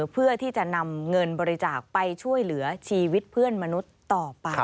เพื่อที่จะนำเงินบริจาคไปช่วยเหลือชีวิตเพื่อนมนุษย์ต่อไป